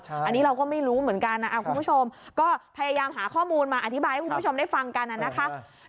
อันนี้เราก็ไม่รู้เหมือนกันนะคุณผู้ชมก็พยายามหาข้อมูลมาอธิบายให้คุณผู้ชมได้ฟังกันนะคะ